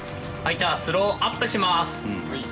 じゃあスローアップします。